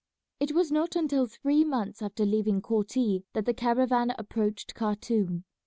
It was not until three months after leaving Korti that the caravan approached Khartoum.